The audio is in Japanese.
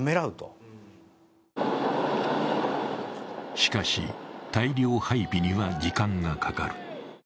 しかし、大量配備には時間がかかる。